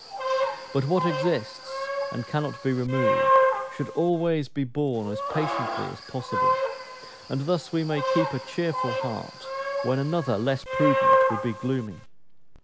But what exists, and cannot be removed, should always be borne as patiently as possible; and thus we may keep a cheerful heart, when another, less prudent, would be gloomy.